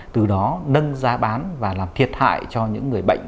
từ đó nâng giá bán và làm thiệt hại cho những người bệnh